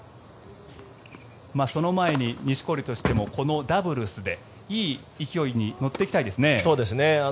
その前に錦織としてもこのダブルスでいい勢いに乗っていきたいですね。